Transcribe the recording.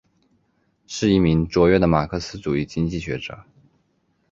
是一名卓越的马克思主义经济学者。